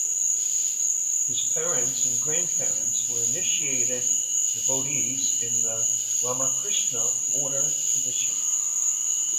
His parents and grandparents were initiated devotees in the Ramakrishna Order tradition.